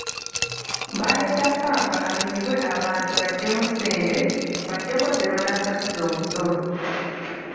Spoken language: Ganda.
Baleeta ppamba alimibwe abantu baggyemu ssente baggyeko ze banaasasuza omusolo.